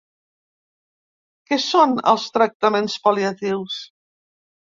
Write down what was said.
Què són els tractaments pal·liatius?